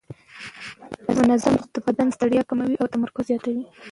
منظم خوب د بدن ستړیا کموي او تمرکز زیاتوي.